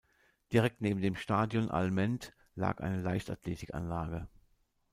Direkt neben dem Stadion Allmend lag eine Leichtathletikanlage.